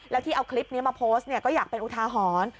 แล้วที่เอาคลิปนี้มาโพสต์ก็อยากเป็นอุทาหรณ์